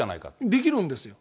できるんですよ。